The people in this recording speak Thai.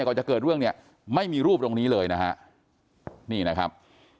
ก่อนจะเกิดเรื่องเนี่ยไม่มีรูปตรงนี้เลยนะฮะนี่นะครับ